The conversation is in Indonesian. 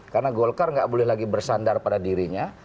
karena golkar nggak boleh lagi bersandar pada dirinya